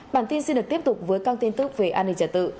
bản tin sẽ được tiếp tục với các tin tức về an ninh trả tự